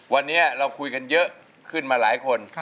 วันนี้เราคุยกันเยอะขึ้นมาหลายคน